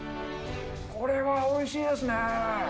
これはおいしいですね。